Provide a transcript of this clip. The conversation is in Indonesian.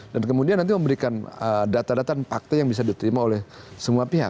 dan kemudian nanti memberikan data data dan fakta yang bisa diterima oleh semua pihak